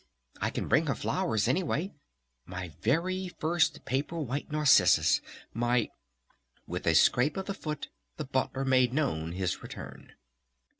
"I can bring her flowers, anyway! My very first Paper White Narcissus! My ." With a scrape of the foot the Butler made known his return.